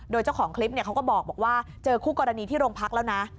โดยเจ้าของคลิปเขาก็บอกว่าเจอคู่กรณีที่โรงพักแล้วนะ